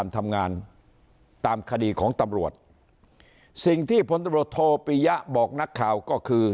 ทำงานตามคดีของตำรวจสิ่งที่พลตำรวจโทปียะบอกนักข่าวก็คือ